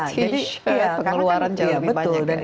pengeluaran jauh lebih banyak